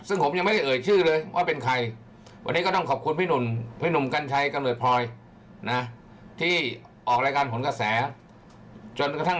ซึ่งผมยังไม่ได้เอ่ยชื่อเลยว่าเป็นใครวันนี้ก็ต้องขอบคุณพี่หนุ่ม